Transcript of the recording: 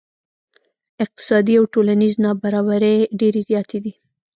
اقتصادي او ټولنیزې نا برابرۍ ډیرې زیاتې دي.